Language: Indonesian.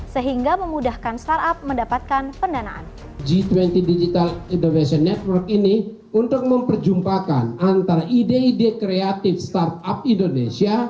sehingga memudahkan perusahaan untuk mencari kekuatan ekonomi